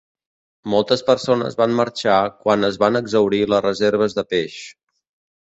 Moltes persones van marxar quan es van exhaurir les reserves de peix.